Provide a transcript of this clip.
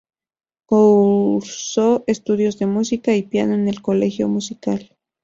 Cursó estudios de música y piano en el Colegio Musical.